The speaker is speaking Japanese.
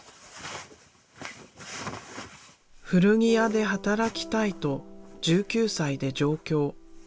古着屋で働きたいと１９歳で上京。